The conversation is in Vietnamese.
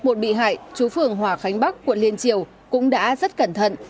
một bị hại chú phường hòa khánh bắc quận liên triều cũng đã rất cẩn thận